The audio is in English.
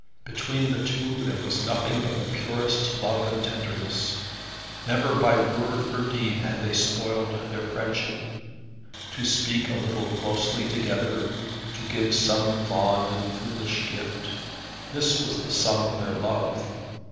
Between the two there was nothing but the purest love and tenderness. Never by word or deed had they spoiled their friendship. To speak a little closely together; to give some fond and foolish gift; this was the sum of their love.